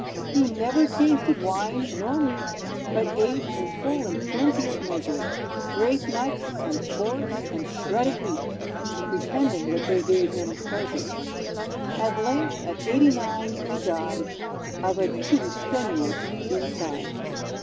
He never tasted wine nor meat, But ate, in full and plenteous measure, Grape Nuts and Force and Shredded Wheat, Pretending that they gave him pleasure. At length, at eighty nine, he died, Of a too strenuous inside.